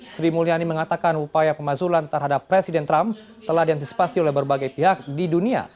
sri mulyani mengatakan upaya pemazulan terhadap presiden trump telah diantisipasi oleh berbagai pihak di dunia